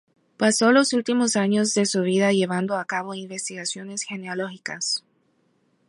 Pasó los últimos años de su vida llevando a cabo investigaciones genealógicas.